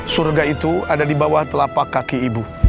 surga itu ada di bawah telapak kaki ibu